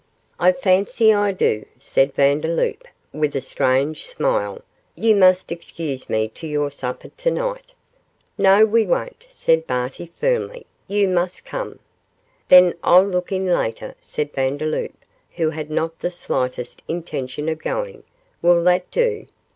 'I fancy I do,' said Vandeloup, with a strange smile. 'You must excuse me to your supper to night.' 'No, we won't,' said Barty, firmly; 'you must come.' 'Then I'll look in later,' said Vandeloup, who had not the slightest intention of going. 'Will that do?